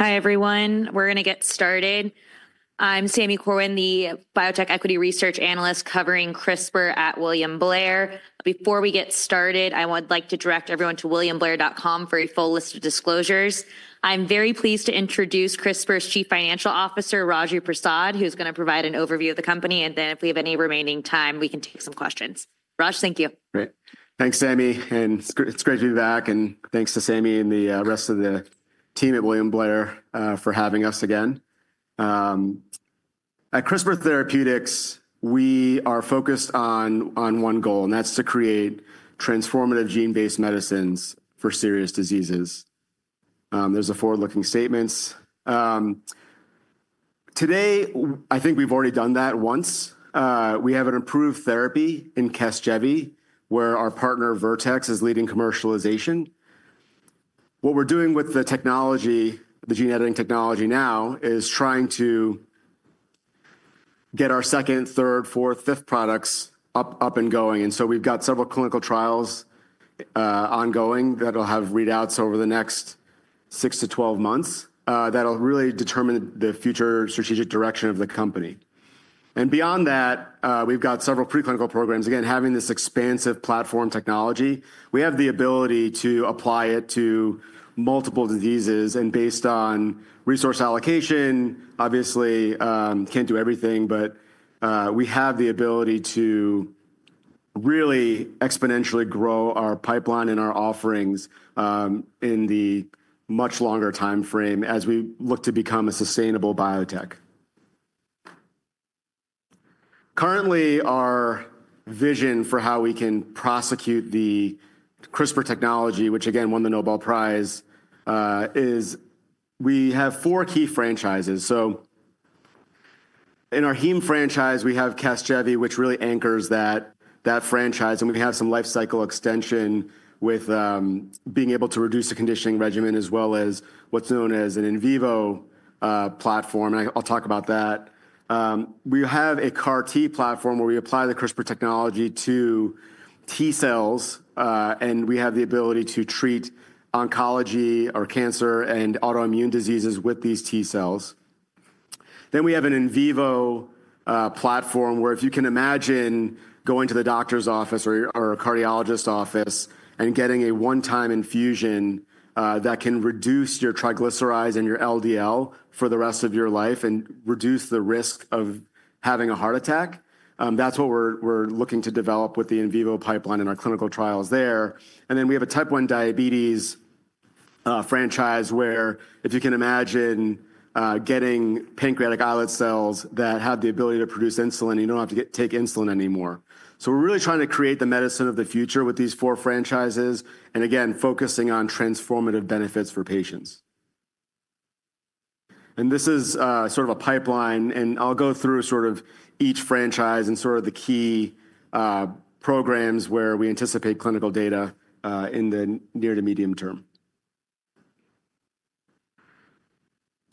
Hi, everyone. We're going to get started. I'm Sami Corwin, the Biotech Equity Research Analyst covering CRISPR at William Blair. Before we get started, I would like to direct everyone to williamblair.com for a full list of disclosures. I'm very pleased to introduce CRISPR's Chief Financial Officer, Raju Prasad, who's going to provide an overview of the company, and then if we have any remaining time, we can take some questions. Raj, thank you. Great. Thanks, Sami. It's great to be back. Thanks to Sami and the rest of the team at William Blair for having us again. At CRISPR Therapeutics, we are focused on one goal, and that's to create transformative gene-based medicines for serious diseases. There's a forward-looking statement. Today, I think we've already done that once. We have an approved therapy in Casgevy, where our partner Vertex is leading commercialization. What we're doing with the technology, the gene editing technology now, is trying to get our second, third, fourth, fifth products up and going. We've got several clinical trials ongoing that'll have readouts over the next six to 12 months that'll really determine the future strategic direction of the company. Beyond that, we've got several preclinical programs. Again, having this expansive platform technology, we have the ability to apply it to multiple diseases. Based on resource allocation, obviously, can't do everything, but we have the ability to really exponentially grow our pipeline and our offerings in the much longer time frame as we look to become a sustainable biotech. Currently, our vision for how we can prosecute the CRISPR technology, which again won the Nobel Prize, is we have four key franchises. In our heme franchise, we have Casgevy, which really anchors that franchise. We have some life cycle extension with being able to reduce the conditioning regimen, as well as what's known as an in vivo platform. I'll talk about that. We have a CAR T platform where we apply the CRISPR technology to T cells, and we have the ability to treat oncology or cancer and autoimmune diseases with these T cells. We have an in vivo platform where, if you can imagine going to the doctor's office or a cardiologist's office and getting a one-time infusion that can reduce your triglycerides and your LDL for the rest of your life and reduce the risk of having a heart attack, that's what we're looking to develop with the in vivo pipeline and our clinical trials there. We have a type 1 diabetes franchise where, if you can imagine getting pancreatic islet cells that have the ability to produce insulin, you don't have to take insulin anymore. We're really trying to create the medicine of the future with these four franchises and, again, focusing on transformative benefits for patients. This is sort of a pipeline, and I'll go through sort of each franchise and sort of the key programs where we anticipate clinical data in the near to medium term.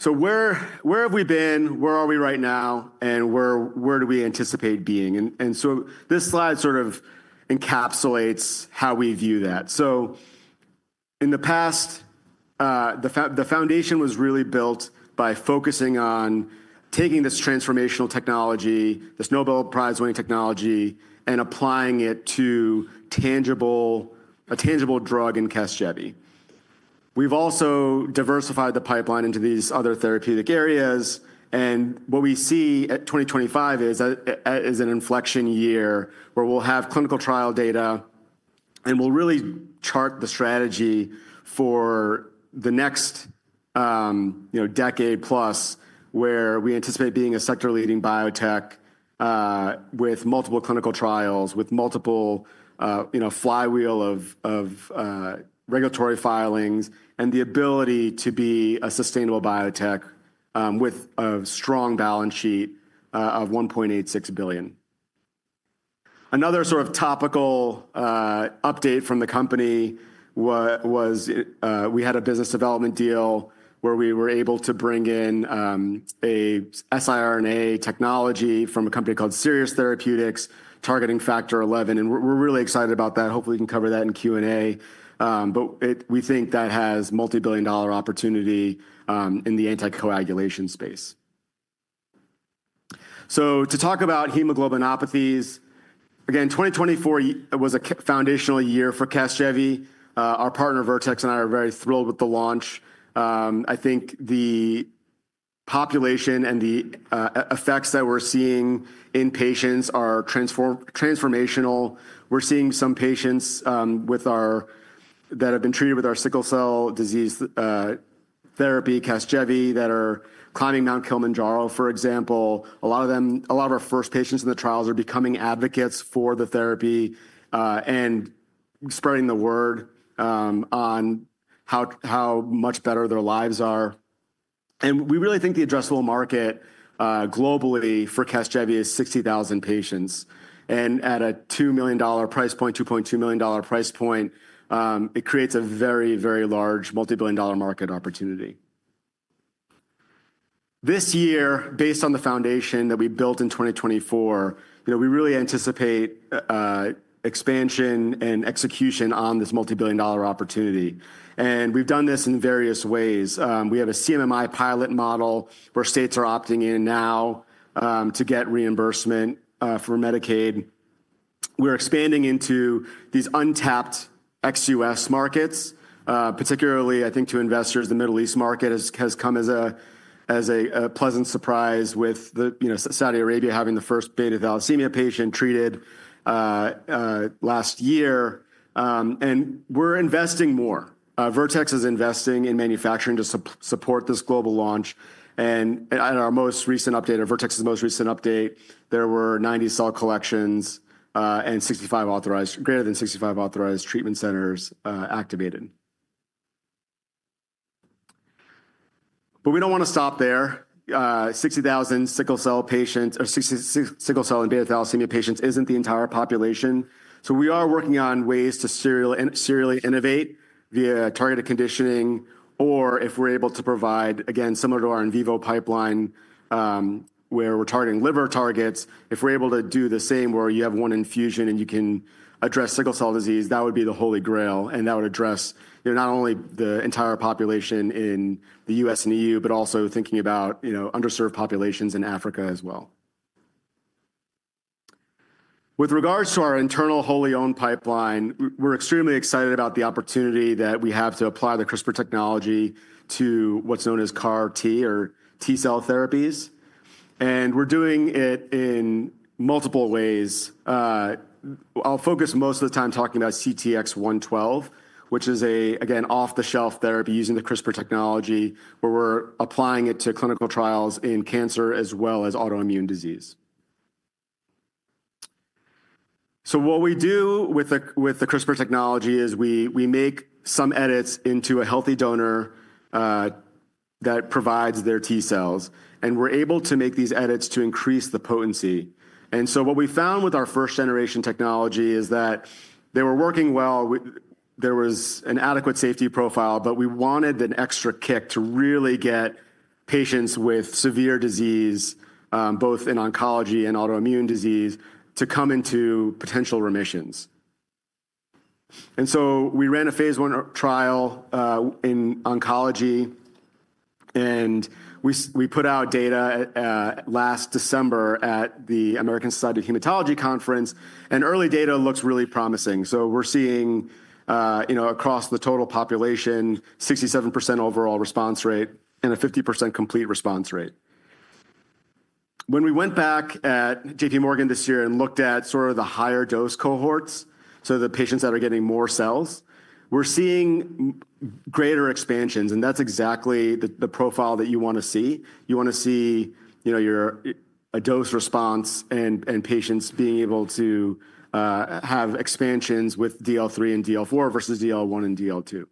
Where have we been? Where are we right now? Where do we anticipate being? This slide sort of encapsulates how we view that. In the past, the foundation was really built by focusing on taking this transformational technology, this Nobel Prize-winning technology, and applying it to a tangible drug in Casgevy. We've also diversified the pipeline into these other therapeutic areas. What we see at 2025 is an inflection year where we'll have clinical trial data, and we'll really chart the strategy for the next decade plus where we anticipate being a sector-leading biotech with multiple clinical trials, with multiple flywheels of regulatory filings, and the ability to be a sustainable biotech with a strong balance sheet of $1.86 billion. Another sort of topical update from the company was we had a business development deal where we were able to bring in an siRNA technology from a company called Sirius Therapeutics targeting factor XI. We're really excited about that. Hopefully, we can cover that in Q&A. We think that has a multi-billion dollar opportunity in the anticoagulation space. To talk about hemoglobinopathies, again, 2024 was a foundational year for Casgevy. Our partner, Vertex, and I are very thrilled with the launch. I think the population and the effects that we're seeing in patients are transformational. We're seeing some patients that have been treated with our sickle cell disease therapy, Casgevy, that are climbing Mount Kilimanjaro, for example. A lot of our first patients in the trials are becoming advocates for the therapy and spreading the word on how much better their lives are. We really think the addressable market globally for Casgevy is 60,000 patients. At a $2 million price point, $2.2 million price point, it creates a very, very large multi-billion dollar market opportunity. This year, based on the foundation that we built in 2024, we really anticipate expansion and execution on this multi-billion dollar opportunity. We've done this in various ways. We have a CMMI pilot model where states are opting in now to get reimbursement for Medicaid. We're expanding into these untapped ex-U.S. markets. Particularly, I think, to investors, the Middle East market has come as a pleasant surprise, with Saudi Arabia having the first beta thalassemia patient treated last year. We're investing more. Vertex is investing in manufacturing to support this global launch. In our most recent update, or Vertex's most recent update, there were 90 cell collections and greater than 65 authorized treatment centers activated. We do not want to stop there. 60,000 sickle cell patients or sickle cell and beta thalassemia patients is not the entire population. We are working on ways to serially innovate via targeted conditioning, or if we're able to provide, again, similar to our in vivo pipeline where we're targeting liver targets, if we're able to do the same where you have one infusion and you can address sickle cell disease, that would be the holy grail. That would address not only the entire population in the U.S. and E.U., but also thinking about underserved populations in Africa as well. With regards to our internal wholly owned pipeline, we're extremely excited about the opportunity that we have to apply the CRISPR technology to what's known as CAR-T or T cell therapies. We're doing it in multiple ways. I'll focus most of the time talking about CTX112, which is, again, off-the-shelf therapy using the CRISPR technology where we're applying it to clinical trials in cancer as well as autoimmune disease. What we do with the CRISPR technology is we make some edits into a healthy donor that provides their T cells. We're able to make these edits to increase the potency. What we found with our first-generation technology is that they were working well. There was an adequate safety profile, but we wanted an extra kick to really get patients with severe disease, both in oncology and autoimmune disease, to come into potential remissions. We ran a phase I trial in oncology. We put out data last December at the American Society of Hematology Conference. Early data looks really promising. We're seeing across the total population, 67% overall response rate and a 50% complete response rate. When we went back at JPMorgan this year and looked at sort of the higher dose cohorts, the patients that are getting more cells, we're seeing greater expansions. That's exactly the profile that you want to see. You want to see a dose response and patients being able to have expansions with DL3 and DL4 versus DL1 and DL2.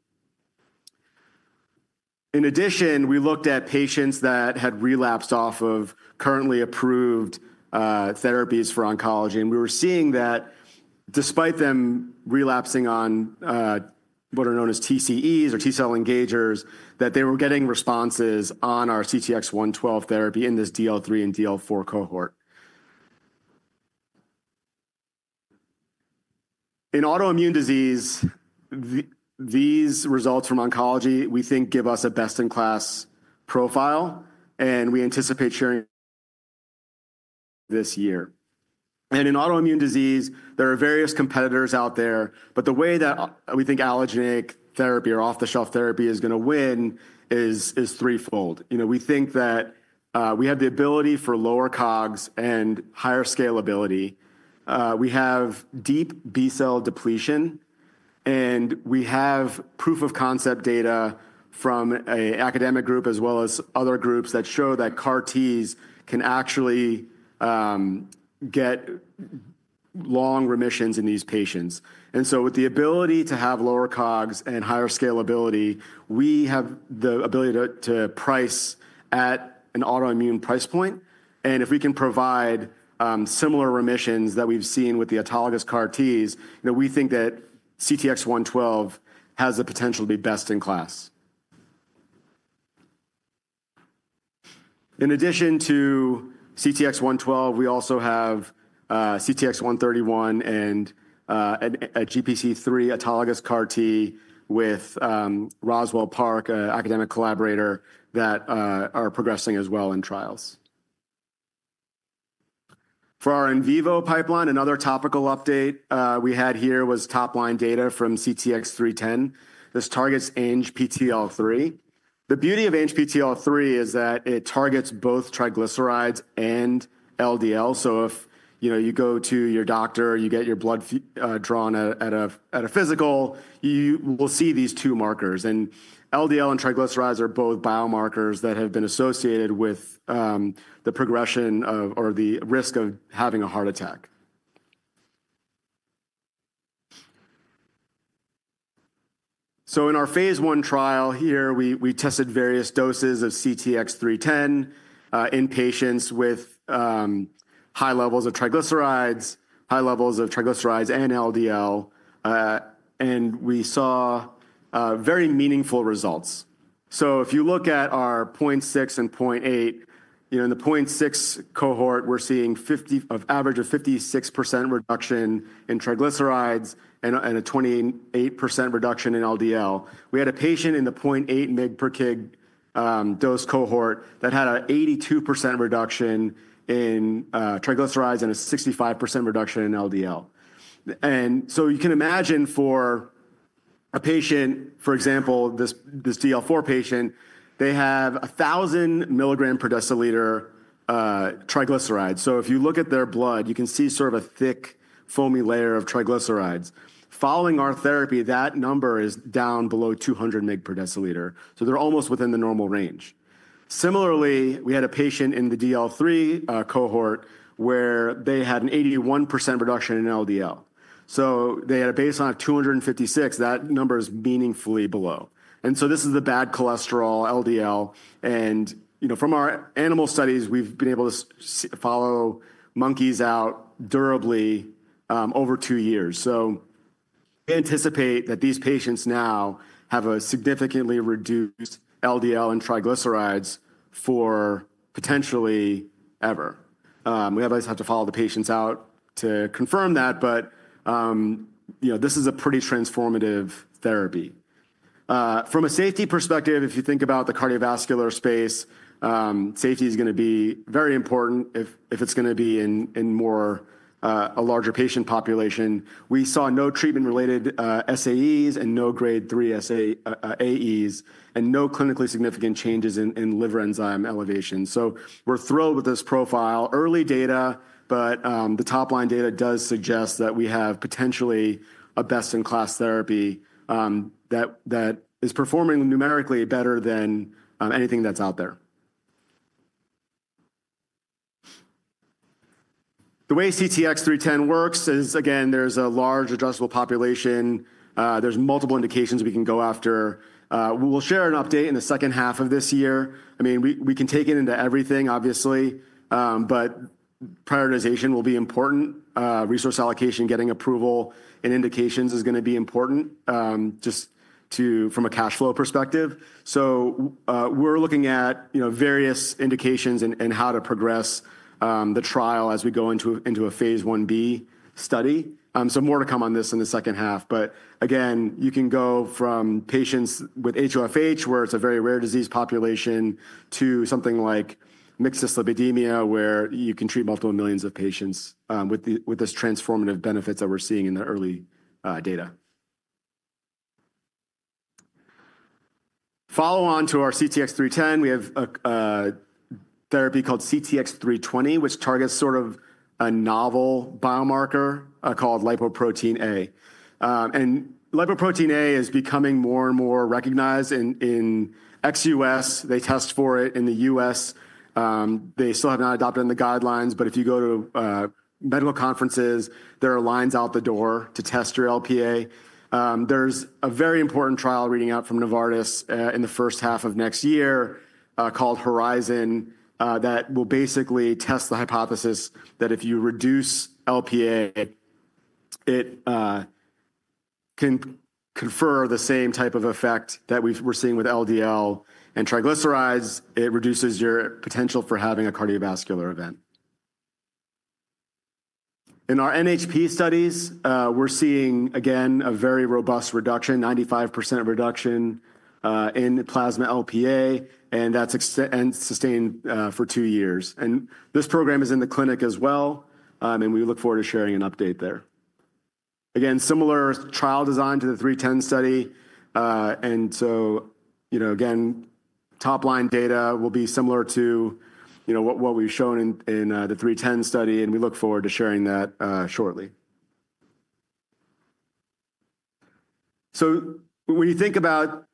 In addition, we looked at patients that had relapsed off of currently approved therapies for oncology. We were seeing that despite them relapsing on what are known as TCEs or T cell engagers, they were getting responses on our CTX112 therapy in this DL3 and DL4 cohort. In autoimmune disease, these results from oncology, we think, give us a best-in-class profile. We anticipate sharing this year. In autoimmune disease, there are various competitors out there. The way that we think allogeneic therapy or off-the-shelf therapy is going to win is threefold. We think that we have the ability for lower COGS and higher scalability. We have deep B cell depletion. We have proof-of-concept data from an academic group as well as other groups that show that CAR-Ts can actually get long remissions in these patients. With the ability to have lower COGS and higher scalability, we have the ability to price at an autoimmune price point. If we can provide similar remissions that we've seen with the autologous CAR-Ts, we think that CTX112 has the potential to be best in class. In addition to CTX112, we also have CTX131 and a GPC3 autologous CAR-T with Roswell Park, an academic collaborator, that are progressing as well in trials. For our in vivo pipeline, another topical update we had here was top-line data from CTX310. This targets ANGPTL3. The beauty of ANGPTL3 is that it targets both triglycerides and LDL. If you go to your doctor, you get your blood drawn at a physical, you will see these two markers. LDL and triglycerides are both biomarkers that have been associated with the progression or the risk of having a heart attack. In our phase I trial here, we tested various doses of CTX310 in patients with high levels of triglycerides, high levels of triglycerides and LDL. We saw very meaningful results. If you look at our 0.6 and 0.8, in the 0.6 cohort, we're seeing an average of 56% reduction in triglycerides and a 28% reduction in LDL. We had a patient in the 0.8 mg/kg dose cohort that had an 82% reduction in triglycerides and a 65% reduction in LDL. You can imagine for a patient, for example, this DL4 patient, they have 1,000 milligrams per deciliter triglycerides. If you look at their blood, you can see sort of a thick, foamy layer of triglycerides. Following our therapy, that number is down below 200 mg/dL. They're almost within the normal range. Similarly, we had a patient in the DL3 cohort where they had an 81% reduction in LDL. They had a baseline of 256. That number is meaningfully below. This is the bad cholesterol, LDL. From our animal studies, we've been able to follow monkeys out durably over two years. We anticipate that these patients now have a significantly reduced LDL and triglycerides for potentially ever. We obviously have to follow the patients out to confirm that. This is a pretty transformative therapy. From a safety perspective, if you think about the cardiovascular space, safety is going to be very important if it's going to be in a larger patient population. We saw no treatment-related SAEs and no grade 3 AEs and no clinically significant changes in liver enzyme elevation. We're thrilled with this profile. Early data, but the top-line data does suggest that we have potentially a best-in-class therapy that is performing numerically better than anything that's out there. The way CTX310 works is, again, there's a large addressable population. There's multiple indications we can go after. We'll share an update in the second half of this year. I mean, we can take it into everything, obviously. Prioritization will be important. Resource allocation, getting approval, and indications is going to be important just from a cash flow perspective. We're looking at various indications and how to progress the trial as we go into a phase 1B study. More to come on this in the second half. Again, you can go from patients with HOFH, where it's a very rare disease population, to something like mixed dyslipidemia, where you can treat multiple millions of patients with these transformative benefits that we're seeing in the early data. Follow on to our CTX310, we have a therapy called CTX320, which targets sort of a novel biomarker called lipoprotein (a). And lipoprotein (a) is becoming more and more recognized. In ex-U.S., they test for it. In the U.S., they still have not adopted the guidelines. If you go to medical conferences, there are lines out the door to test your LPA. There's a very important trial reading out from Novartis in the first half of next year called Horizon that will basically test the hypothesis that if you reduce LPA, it can confer the same type of effect that we're seeing with LDL and triglycerides. It reduces your potential for having a cardiovascular event. In our NHP studies, we're seeing, again, a very robust reduction, 95% reduction in plasma LPA. That is sustained for two years. This program is in the clinic as well. We look forward to sharing an update there. Again, similar trial design to the 310 study. Top-line data will be similar to what we've shown in the 310 study. We look forward to sharing that shortly. When you think about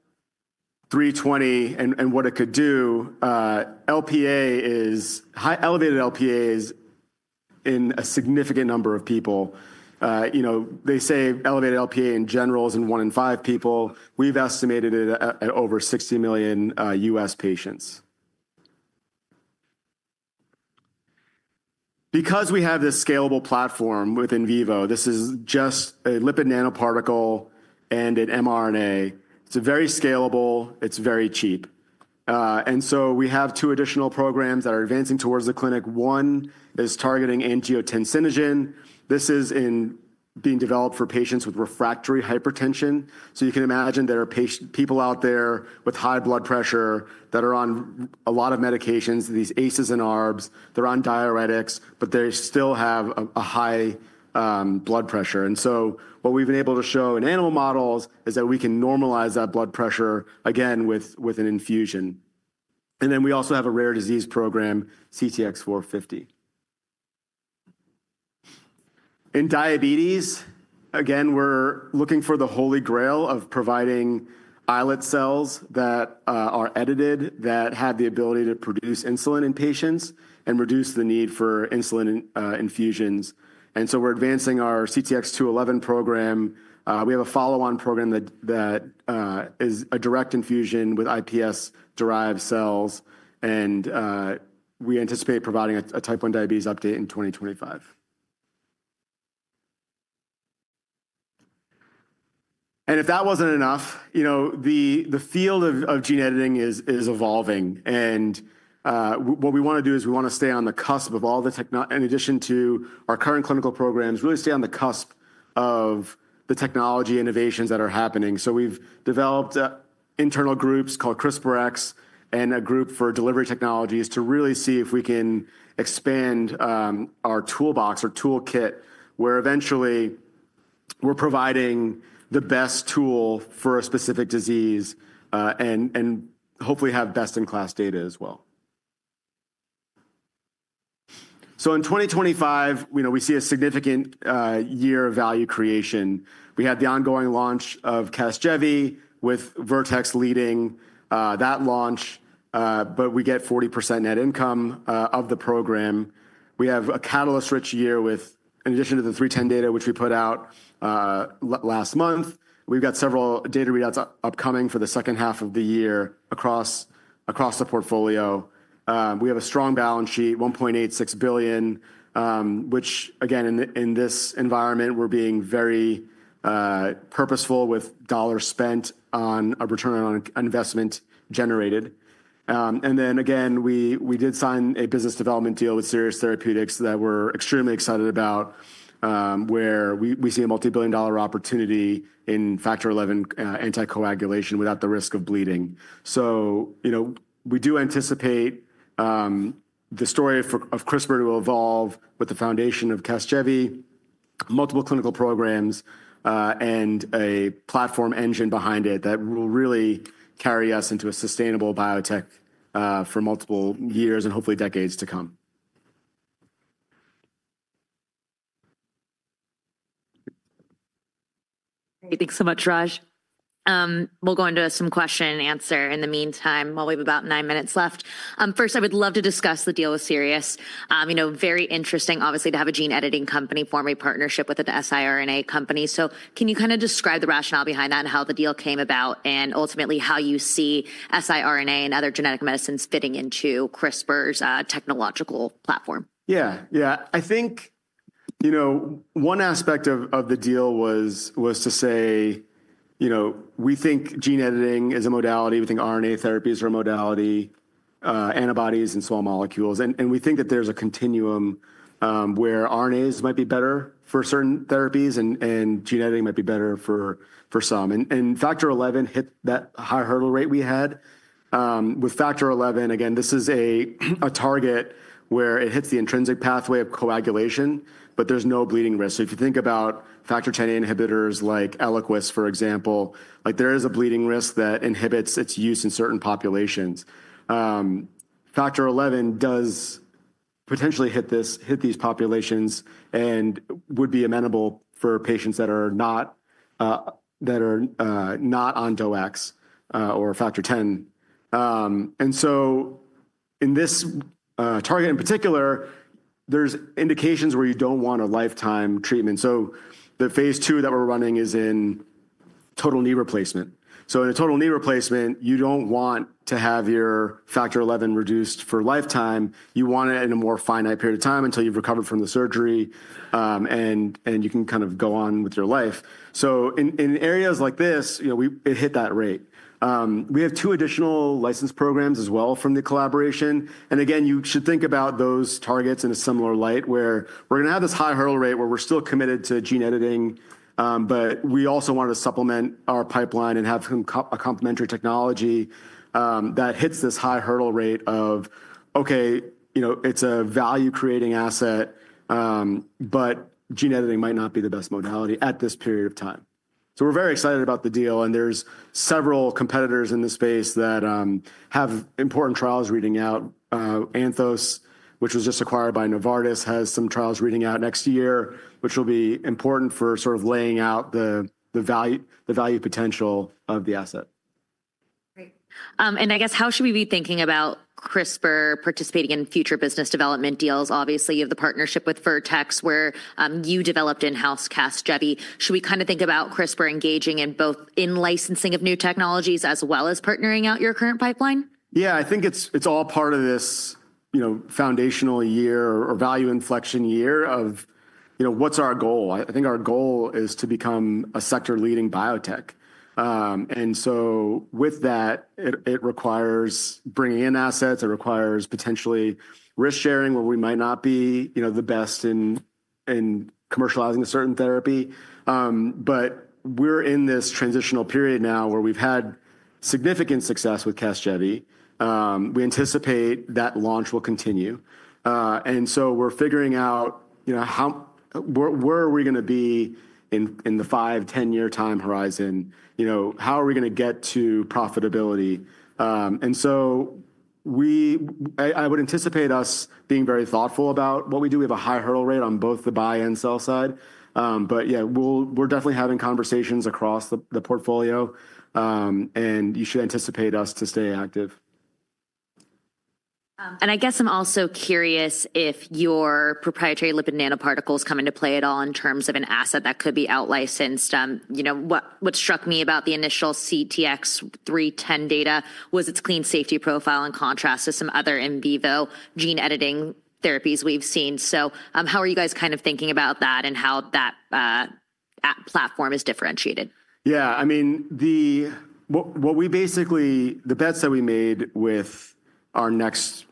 320 and what it could do, elevated LPA is in a significant number of people. They say elevated LPA in general is in one in five people. We've estimated it at over 60 million U.S. patients. Because we have this scalable platform with in vivo, this is just a lipid nanoparticle and an mRNA. It's very scalable. It's very cheap. We have two additional programs that are advancing towards the clinic. One is targeting angiotensinogen. This is being developed for patients with refractory hypertension. You can imagine there are people out there with high blood pressure that are on a lot of medications, these ACEs and ARBs. They're on diuretics, but they still have a high blood pressure. What we've been able to show in animal models is that we can normalize that blood pressure, again, with an infusion. We also have a rare disease program, CTX450. In diabetes, again, we're looking for the holy grail of providing islet cells that are edited that have the ability to produce insulin in patients and reduce the need for insulin infusions. We're advancing our CTX211 program. We have a follow-on program that is a direct infusion with iPS-derived cells. We anticipate providing a type 1 diabetes update in 2025. If that was not enough, the field of gene editing is evolving. What we want to do is stay on the cusp of all the technology, in addition to our current clinical programs, really stay on the cusp of the technology innovations that are happening. We have developed internal groups called CRISPRx and a group for delivery technologies to really see if we can expand our toolbox or toolkit where eventually we are providing the best tool for a specific disease and hopefully have best-in-class data as well. In 2025, we see a significant year of value creation. We had the ongoing launch of Casgevy with Vertex leading that launch. We get 40% net income of the program. We have a catalyst-rich year with, in addition to the 310 data which we put out last month, we've got several data readouts upcoming for the second half of the year across the portfolio. We have a strong balance sheet, $1.86 billion, which, again, in this environment, we're being very purposeful with dollars spent on a return on investment generated. Then, again, we did sign a business development deal with Sirius Therapeutics that we're extremely excited about where we see a multi-billion dollar opportunity in factor XI anticoagulation without the risk of bleeding. We do anticipate the story of CRISPR to evolve with the foundation of Casgevy, multiple clinical programs, and a platform engine behind it that will really carry us into a sustainable biotech for multiple years and hopefully decades to come. Great. Thanks so much, Raj. We'll go into some question and answer in the meantime while we have about nine minutes left. First, I would love to discuss the deal with Sirius. Very interesting, obviously, to have a gene editing company form a partnership with an siRNA company. So can you kind of describe the rationale behind that and how the deal came about and ultimately how you see siRNA and other genetic medicines fitting into CRISPR's technological platform? Yeah. Yeah. I think one aspect of the deal was to say we think gene editing is a modality. We think RNA therapies are a modality, antibodies, and small molecules. And we think that there's a continuum where RNAs might be better for certain therapies and gene editing might be better for some. And factor XI hit that high hurdle rate we had. With factor XI, again, this is a target where it hits the intrinsic pathway of coagulation, but there's no bleeding risk. If you think about factor Xa inhibitors like Eliquis, for example, there is a bleeding risk that inhibits its use in certain populations. Factor XI does potentially hit these populations and would be amenable for patients that are not on DOACs or factor X. In this target in particular, there's indications where you don't want a lifetime treatment. The phase two that we're running is in total knee replacement. In a total knee replacement, you don't want to have your factor XI reduced for lifetime. You want it in a more finite period of time until you've recovered from the surgery and you can kind of go on with your life. In areas like this, it hit that rate. We have two additional license programs as well from the collaboration. You should think about those targets in a similar light where we're going to have this high hurdle rate where we're still committed to gene editing, but we also wanted to supplement our pipeline and have a complementary technology that hits this high hurdle rate of, "Okay, it's a value-creating asset, but gene editing might not be the best modality at this period of time." We're very excited about the deal. There are several competitors in this space that have important trials reading out. Anthos, which was just acquired by Novartis, has some trials reading out next year, which will be important for sort of laying out the value potential of the asset. Great. I guess, how should we be thinking about CRISPR participating in future business development deals, obviously, of the partnership with Vertex where you developed in-house Casgevy? Should we kind of think about CRISPR engaging in both in licensing of new technologies as well as partnering out your current pipeline? Yeah. I think it's all part of this foundational year or value inflection year of what's our goal. I think our goal is to become a sector-leading biotech. With that, it requires bringing in assets. It requires potentially risk-sharing where we might not be the best in commercializing a certain therapy. We're in this transitional period now where we've had significant success with Casgevy. We anticipate that launch will continue. We're figuring out where are we going to be in the five, 10-year time horizon? How are we going to get to profitability? I would anticipate us being very thoughtful about what we do. We have a high hurdle rate on both the buy and sell side. Yeah, we're definitely having conversations across the portfolio. You should anticipate us to stay active. I guess I'm also curious if your proprietary lipid nanoparticles come into play at all in terms of an asset that could be out-licensed. What struck me about the initial CTX310 data was its clean safety profile in contrast to some other in vivo gene editing therapies we've seen. How are you guys kind of thinking about that and how that platform is differentiated? Yeah. I mean, what we basically the bets that we made with our next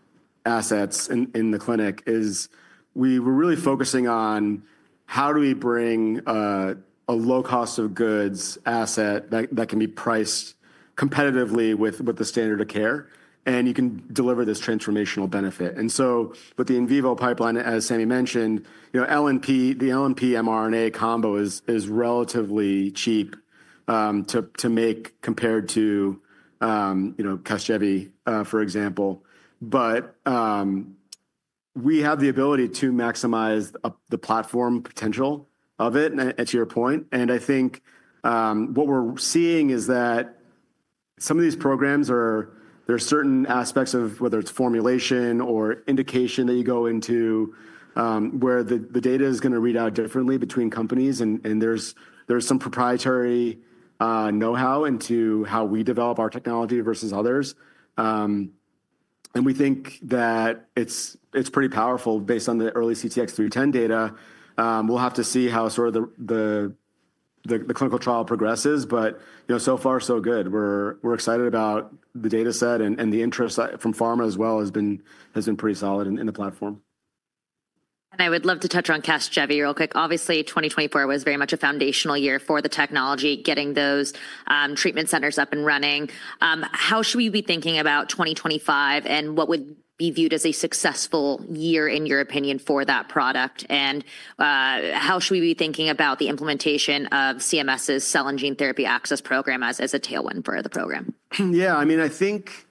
assets in the clinic is we were really focusing on how do we bring a low cost of goods asset that can be priced competitively with the standard of care and you can deliver this transformational benefit. With the in vivo pipeline, as Sami mentioned, the LNP mRNA combo is relatively cheap to make compared to Casgevy, for example. We have the ability to maximize the platform potential of it, to your point. I think what we're seeing is that some of these programs, there are certain aspects of whether it's formulation or indication that you go into where the data is going to read out differently between companies. There is some proprietary know-how into how we develop our technology versus others. We think that it's pretty powerful based on the early CTX310 data. We'll have to see how sort of the clinical trial progresses. So far, so good. We're excited about the data set and the interest from pharma as well has been pretty solid in the platform. I would love to touch on Casgevy real quick. Obviously, 2024 was very much a foundational year for the technology, getting those treatment centers up and running. How should we be thinking about 2025 and what would be viewed as a successful year, in your opinion, for that product? How should we be thinking about the implementation of CMS's Cell and Gene Therapy Access Program as a tailwind for the program? Yeah. I mean, I think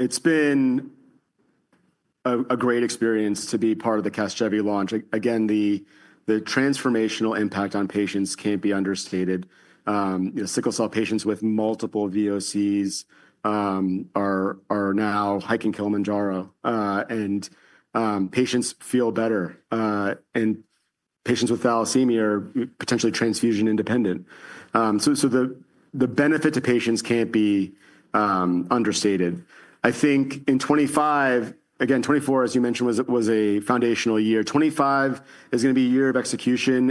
it's been a great experience to be part of the Casgevy launch. Again, the transformational impact on patients can't be understated. Sickle cell patients with multiple VOCs are now hiking Kilimanjaro. Patients feel better. Patients with thalassemia are potentially transfusion independent. The benefit to patients cannot be understated. I think in 2025, again, 2024, as you mentioned, was a foundational year. 2025 is going to be a year of execution.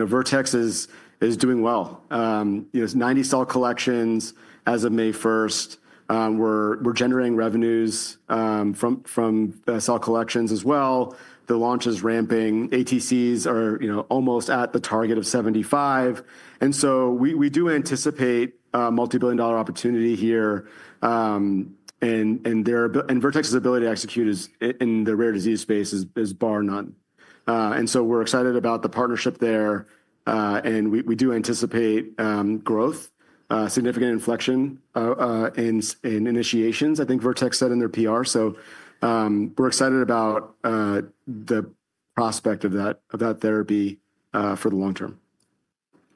Vertex is doing well. Ninety cell collections as of May 1st. We are generating revenues from cell collections as well. The launch is ramping. ATCs are almost at the target of 75. We do anticipate a multi-billion dollar opportunity here. Vertex's ability to execute in the rare disease space is bar none. We are excited about the partnership there. We do anticipate growth, significant inflection in initiations, I think Vertex said in their PR. We are excited about the prospect of that therapy for the long term.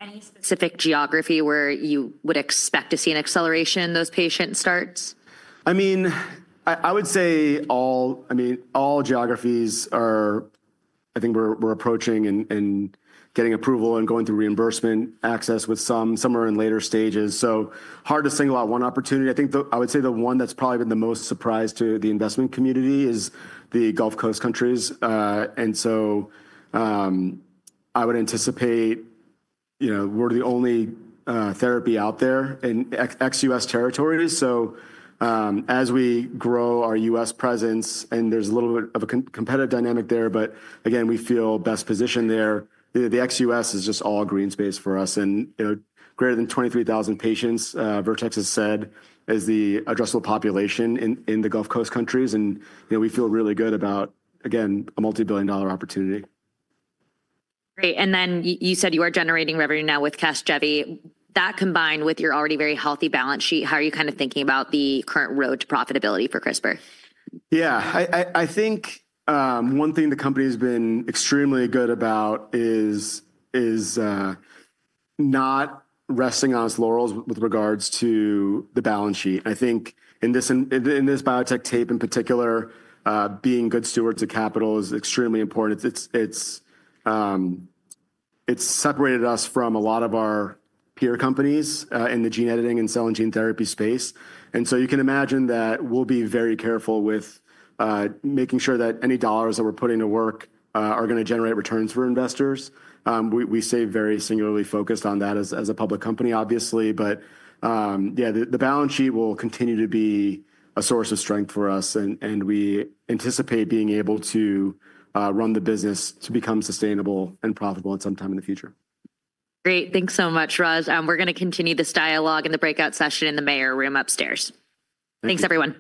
Any specific geography where you would expect to see an acceleration in those patient starts? I mean, I would say all geographies are, I think we're approaching and getting approval and going through reimbursement access with some are in later stages. So hard to single out one opportunity. I think I would say the one that's probably been the most surprise to the investment community is the Gulf Coast countries. I would anticipate we're the only therapy out there in ex-US territories. As we grow our U.S. presence, and there's a little bit of a competitive dynamic there, we feel best positioned there. The ex-U.S. is just all green space for us. Greater than 23,000 patients, Vertex has said, is the addressable population in the Gulf Coast countries. We feel really good about, again, a multi-billion dollar opportunity. Great. And then you said you are generating revenue now with Casgevy. That combined with your already very healthy balance sheet, how are you kind of thinking about the current road to profitability for CRISPR? Yeah. I think one thing the company has been extremely good about is not resting on its laurels with regards to the balance sheet. I think in this biotech tape in particular, being good stewards of capital is extremely important. It has separated us from a lot of our peer companies in the gene editing and cell and gene therapy space. You can imagine that we will be very careful with making sure that any dollars that we are putting to work are going to generate returns for investors. We stay very singularly focused on that as a public company, obviously. Yeah, the balance sheet will continue to be a source of strength for us. We anticipate being able to run the business to become sustainable and profitable at some time in the future. Great. Thanks so much, Raju. We are going to continue this dialogue in the breakout session in the mayor room upstairs. Thanks, everyone.